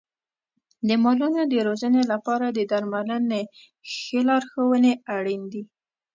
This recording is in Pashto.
د مالونو د روزنې لپاره د درملنې ښه لارښونې اړین دي.